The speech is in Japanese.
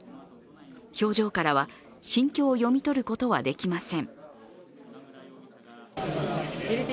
表情からは心境を読み取ることはできません。